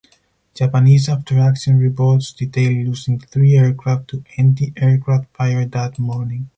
Japanese after action reports detail losing three aircraft to antiaircraft fire that morning.